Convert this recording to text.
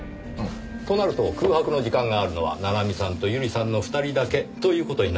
となると空白の時間があるのは七海さんと百合さんの２人だけという事になりますね。